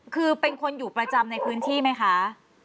คือเป็นคนอยู่ประจำในพื้นที่ไหมคะ